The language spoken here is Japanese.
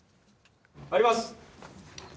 入ります。